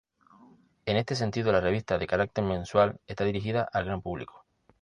En este sentido, la revista, de carácter mensual, está dirigida al gran público.